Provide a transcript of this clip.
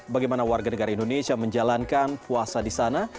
bagaimana warga negara indonesia menjalankan puasa di sana